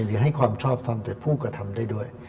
หรือให้ความชอบทำแต่ผู้กระทำได้ด้วย